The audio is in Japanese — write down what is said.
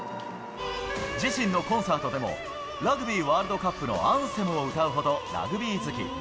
自身のコンサートでも、ラグビーワールドカップのアンセムを歌うほど、ラグビー好き。